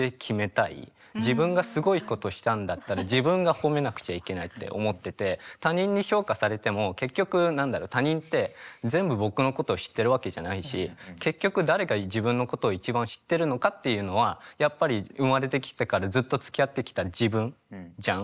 自分がすごいことしたんだったら自分が褒めなくちゃいけないって思ってて他人に評価されても結局何だろう他人って全部僕のことを知ってるわけじゃないし結局誰が自分のことを一番知ってるのかっていうのはやっぱり生まれてきてからずっとつきあってきた自分じゃん？